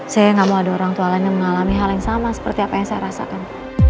saya nggak mau ada orang tua lain yang mengalami hal yang sama seperti apa yang saya rasakan